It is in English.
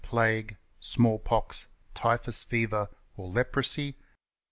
Plague, Smallpox, Ty phus fever, or Leprosy.